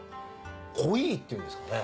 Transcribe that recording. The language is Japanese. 濃いっていうんですかね。